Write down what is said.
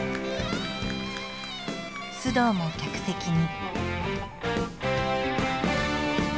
須藤も客席に。